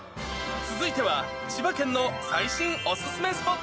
続いては、千葉県の最新お勧